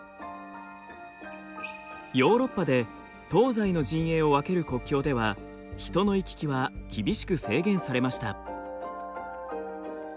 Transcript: ヨーロッパで東西の陣営を分ける国境では人の行き来は厳しく制限されました。